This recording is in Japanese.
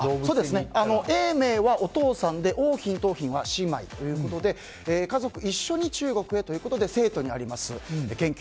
永明はお父さんで桜浜、桃浜は姉妹ということで家族一緒に中国へということで成都にあります